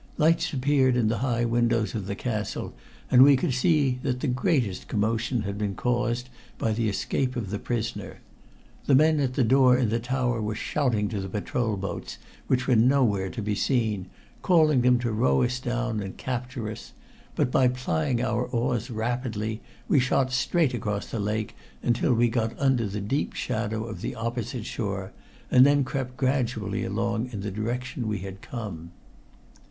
Lights appeared in the high windows of the castle, and we could see that the greatest commotion had been caused by the escape of the prisoner. The men at the door in the tower were shouting to the patrol boats, which were nowhere to be seen, calling them to row us down and capture us, but by plying our oars rapidly we shot straight across the lake until we got under the deep shadow of the opposite shore, and then crept gradually along in the direction we had come.